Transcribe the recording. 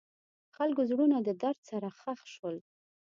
د خلکو زړونه د درد سره ښخ شول.